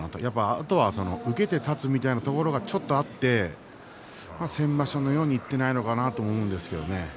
あとは受けて立つみたいな気持ちがちょっとあって先場所のようにいけないのかなと思うんですが。